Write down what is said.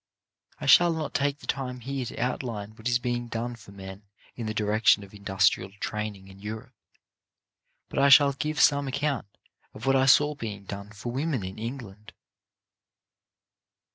I shall not take the time here to outline what is being done for men in the direc tion of industrial training in Europe, but I shall give some account of what I saw being done for women in England.